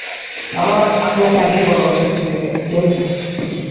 আমার আপনাকে আগেই বলা উচিত ছিল, ক্যাপ্টেন।